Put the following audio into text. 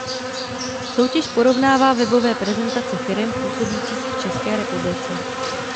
Soutěž porovnává webové prezentace firem působících v České republice.